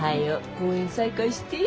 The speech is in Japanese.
公演再開してや。